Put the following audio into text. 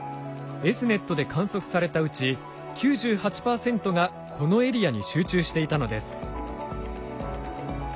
Ｓ−ｎｅｔで観測されたうち９８％がこのエリアに集中していたのです。